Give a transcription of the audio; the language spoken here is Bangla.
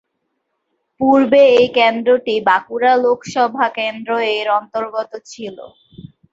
পূর্বে এই কেন্দ্রটি বাঁকুড়া লোকসভা কেন্দ্র এর অন্তর্গত ছিল।